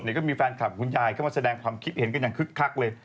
ก็มีแฟนคลับคุณยายเข้ามาแสดงความคิดเห็นกันอย่างคึกคักเลย